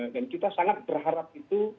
dan kita sangat berharap itu